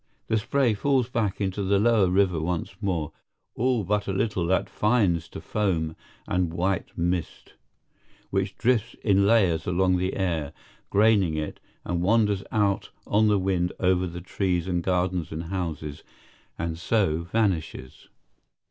The spray falls back into the lower river once more; all but a little that fines to foam and white mist, which drifts in layers along the air, graining it, and wanders out on the wind over the trees and gardens and houses, and so vanishes.